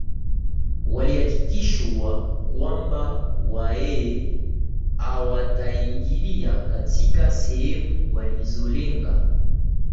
walihakikisha kwamba wahehe hawataingilia katika sehemu walizolenga